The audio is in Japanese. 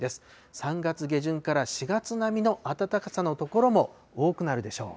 ３月下旬から４月並みの暖かさの所も多くなるでしょう。